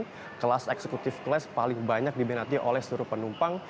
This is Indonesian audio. dengan rincian kelas eksekutif kelas paling banyak dibenati oleh seluruh penumpang